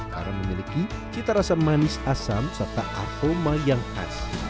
karena memiliki cita rasa manis asam serta aroma yang khas